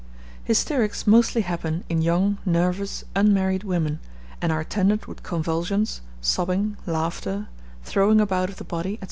Hysterics mostly happen in young, nervous, unmarried women; and are attended with convulsions, sobbing, laughter, throwing about of the body, &c.